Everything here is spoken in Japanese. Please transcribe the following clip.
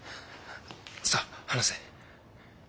さあ話せ。